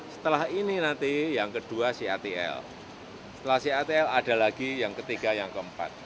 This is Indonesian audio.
setelah ini nanti yang kedua catl setelah catl ada lagi yang ketiga yang keempat